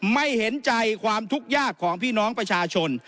ไม่เห็นใจความทุกข์ยากของพี่น้องประชาชน